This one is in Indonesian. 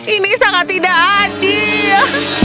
ini sangat tidak adil